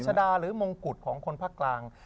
ชะดาหรือมงกุฎของคนภาคกลาง